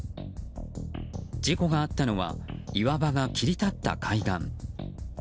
事故があったのは岩場が切り立った海岸。